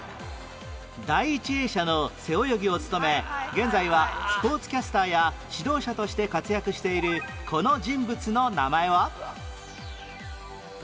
第一泳者の背泳ぎを務め現在はスポーツキャスターや指導者として活躍しているこの人物の名前は？